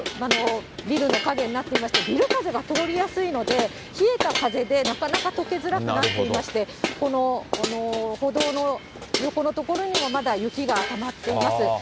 ビルの陰になっていまして、ビル風が通りやすいので、冷えた風でなかなかとけづらくなっていまして、この歩道の横の所にもまだ雪がたまっています。